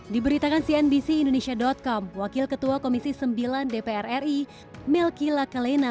diberitakan cnbc indonesia com wakil ketua komisi sembilan dpr ri melky la kalena